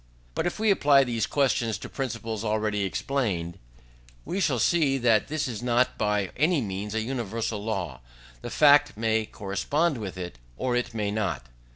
But if we apply to these questions the principles already explained, we shall see that this is not by any means a universal law: the fact may correspond with it, or it may not.